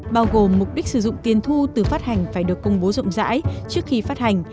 bao gồm mục đích sử dụng tiền thu từ phát hành phải được công bố rộng rãi trước khi phát hành